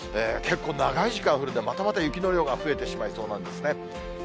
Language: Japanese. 結構長い時間降るんで、またまた雪の量が増えてしまいそうなんですね。